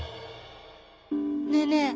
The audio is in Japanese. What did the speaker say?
ねえねえ